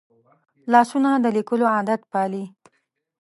لاسونه د لیکلو عادت پالي